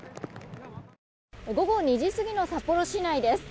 午後２時過ぎの札幌市内です。